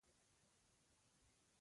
سوړ جنګ ختم شو کمپ رانسکور شو